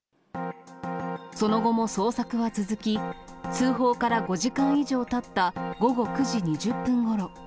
その後も捜索は続き、通報から５時間以上たった午後９時２０分ごろ。